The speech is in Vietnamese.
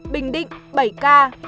bình định bảy ca